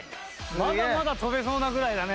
まだまだ跳べそうなぐらいだね。